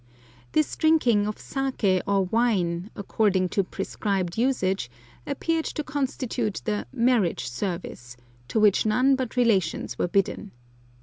This drinking of saké or wine, according to prescribed usage, appeared to constitute the "marriage service," to which none but relations were bidden.